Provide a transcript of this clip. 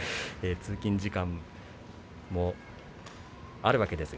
通勤時間もあるわけですね。